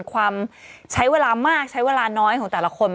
ความใช้เวลามากใช้เวลาน้อยของแต่ละคน